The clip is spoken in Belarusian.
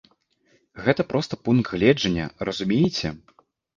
Гэта проста пункт гледжання, разумееце.